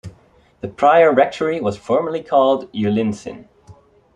The prior rectory was formerly called Ullinsyn.